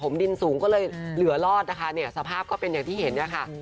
ผมดินสูงก็เลยเหลือรอดนะคะสภาพก็เป็นอย่างที่เห็น